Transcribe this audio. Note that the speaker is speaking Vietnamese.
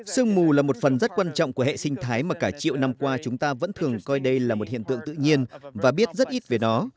sương mù là một phần rất quan trọng của hệ sinh thái mà cả triệu năm qua chúng ta vẫn thường coi đây là một hiện tượng tự nhiên và biết rất ít về nó